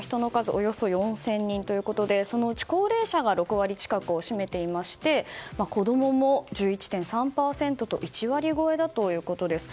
およそ４０００人でそのうち高齢者が６割近くを占めていまして子供も１１．３％と１割超えだということです。